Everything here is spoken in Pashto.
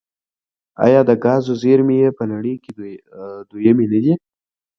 آیا د ګازو زیرمې یې په نړۍ کې دویمې نه دي؟